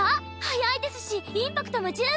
早いですしインパクトも十分。